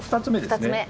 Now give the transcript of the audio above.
２つ目。